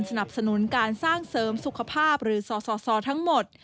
สนับสนุนการสร้างเสริมสุขภาพหรือสสทั้งหมด